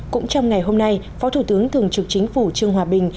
cũng trong ngày hôm nay phó thủ tướng thường trực chính phủ trương hòa bình